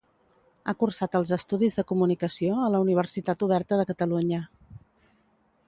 Ha cursat els estudis de Comunicació a la Universitat Oberta de Catalunya.